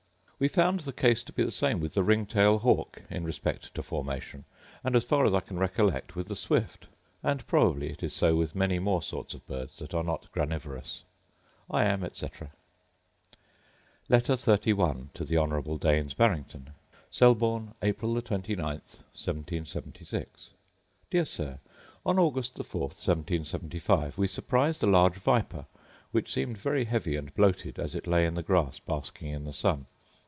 We found the case to be the same with the ring tail hawk, in respect to formation; and, as far as I can recollect, with the swift; and probably it is so with many more sorts of birds that are not granivorous. I am, etc. Letter XXXI To The Honourable Daines Barrington Selborne, April 29, 1776. Dear Sir, On August the 4th, 1775, we surprised a large viper, which seemed very heavy and bloated, as it lay in the grass basking in the sun.